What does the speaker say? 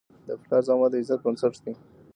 د پلار زحمت د عزت بنسټ دی.